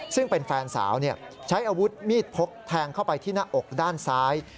ซึ่งเป็นแฟนสาวใช้อาวุธมีดพกแทงเข้าไปที่หน้าอกด้านซ้าย